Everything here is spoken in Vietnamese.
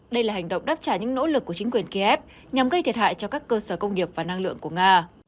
đây là hành động đáp trả những nỗ lực của chính quyền kiev nhằm gây thiệt hại cho các cơ sở công nghiệp và năng lượng của nga